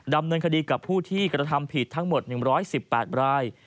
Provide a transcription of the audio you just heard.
ดำเนินคดีกับผู้ที่กระทำผิดทั้งหมดหนึ่งร้อยสิบแปดราย